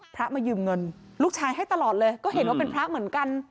พระมายืมเงินลูกชายให้ตลอดเลยก็เห็นว่าเป็นพระเหมือนกัน